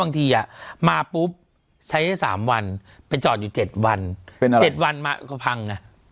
บางทีมาปุ๊บใช้ได้๓วันไปจอดอยู่๗วัน๗วันมาก็พัง